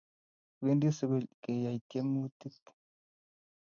kipendi sikul keyai tiemuti